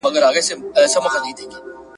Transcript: دا وطن به همېشه اخته په ویر وي !.